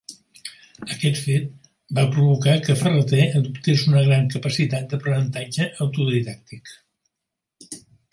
Aquest fet va provocar que Ferrater adoptés una gran capacitat d'aprenentatge autodidàctic.